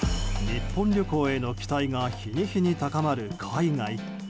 日本旅行への期待が日に日に高まる海外。